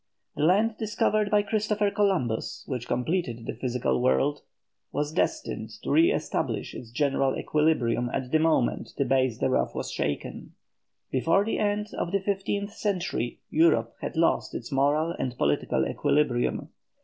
The land discovered by Christopher Columbus, which completed the physical world, was destined to re establish its general equilibrium at the moment the base thereof was shaken. Before the end of the fifteenth century Europe had lost its moral and political equilibrium.